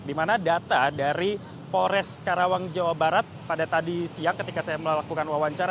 dimana data dari polres karawang jawa barat pada tadi siang ketika saya melakukan wawancara